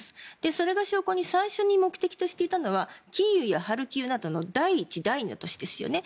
それの証拠に最初に目的としていたのはキーウやハルキウなどの第１、第２の都市ですよね。